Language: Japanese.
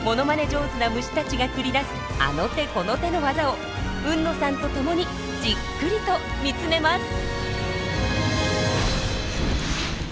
上手な虫たちが繰り出すあの手この手のワザを海野さんと共にじっくりと見つめます。